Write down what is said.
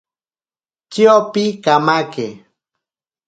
Tyopi kamake.